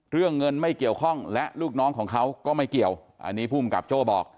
เรื่องเงินไม่เกี่ยวข้องและลูกน้องของเขาก็ไม่เกี่ยวอันนี้ภูมิกับโจ้บอก